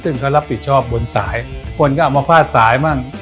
ซึ่งเขารับผิดชอบบนสายคนก็เอามาพาดสายมั่ง